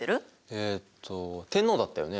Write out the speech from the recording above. えっと天皇だったよね。